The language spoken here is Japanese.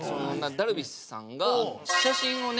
ダルビッシュさんが写真をね